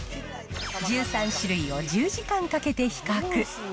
１３種類を１０時間かけて比較。